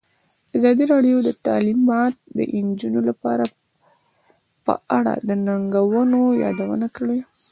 ازادي راډیو د تعلیمات د نجونو لپاره په اړه د ننګونو یادونه کړې.